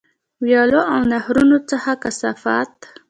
ویالو او نهرونو څخه کثافات.